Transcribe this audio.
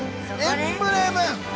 エンブレム！